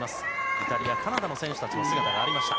イタリア、カナダの選手たちの姿がありました。